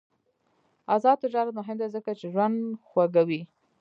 آزاد تجارت مهم دی ځکه چې ژوند خوږوي.